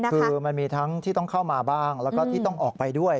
คือมันมีทั้งที่ต้องเข้ามาบ้างแล้วก็ที่ต้องออกไปด้วย